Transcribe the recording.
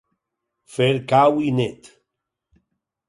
Fer cau i net.